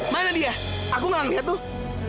mana dia aku nggak lihat tuh